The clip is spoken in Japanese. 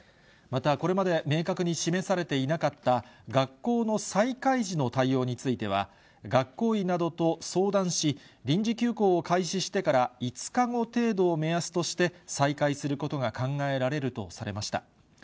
また、これまで明確に示されていなかった、学校の再開時の対応については、学校医などと相談し、臨時休校を開始してから５日後程度を目安として、再開することが考えられるとされました。